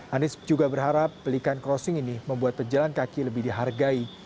anies juga berharap pelikan crossing ini membuat pejalan kaki lebih dihargai